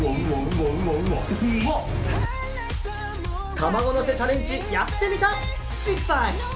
卵のせチャレンジ、やってみた、失敗。